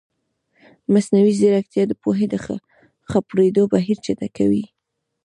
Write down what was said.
مصنوعي ځیرکتیا د پوهې د خپرېدو بهیر چټکوي.